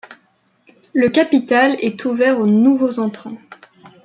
Le capital est ouvert aux nouveaux entrants.